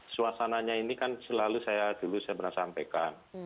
suasananya ini kan selalu saya dulu saya pernah sampaikan